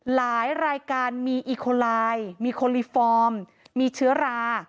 หลายรายการมีอีโคลายมีโคลิฟอร์มมีเชื้อรา